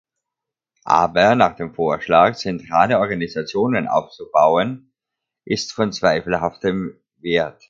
Aber nach dem Vorschlag zentrale Organisationen aufzubauen, ist von zweifelhaftem Wert.